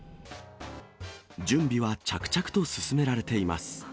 準備は着々と進められています。